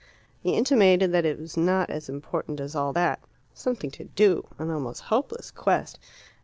He intimated that it was not as important as all that. Something to do an almost hopeless quest!